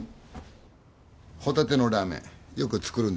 ホタテのラーメンよく作るんですよ。